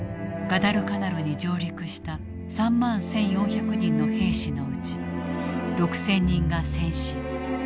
ガダルカナルに上陸した３万１，４００人の兵士のうち６，０００人が戦死。